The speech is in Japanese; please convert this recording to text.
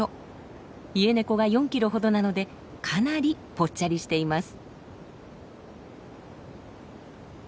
イエネコが４キロほどなのでかなりぽっちゃりしています。